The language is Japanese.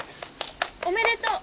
おめでとう！